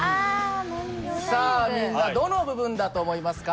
さあみんなどの部分だと思いますか？